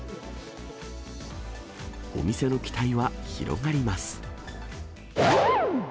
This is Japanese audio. お店の期待は広がります。